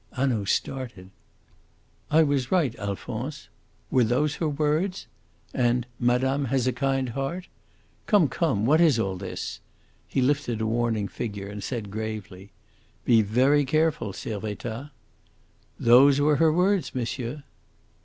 '" Hanaud started. "'I was right, Alphonse.' Were those her words? And 'Madame has a kind heart.' Come, come, what is all this?" He lifted a warning finger and said gravely, "Be very careful, Servettaz." "Those were her words, monsieur."